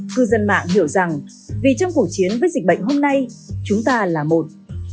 cư dân mạng hiểu rằng vì trong cuộc chiến với dịch bệnh hôm nay chúng ta là một